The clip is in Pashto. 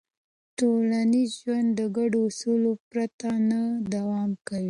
ټولنیز ژوند د ګډو اصولو پرته نه دوام کوي.